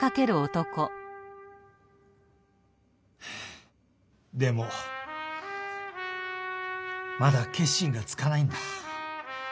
はぁでもまだ決心がつかないんだ。